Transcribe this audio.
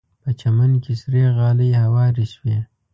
په چمن کې سرې غالۍ هوارې شوې.